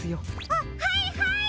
あっはいはい！